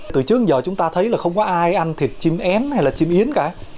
từ trước giờ chúng ta thấy là không có ai ăn thịt chim én hay là chim yến cả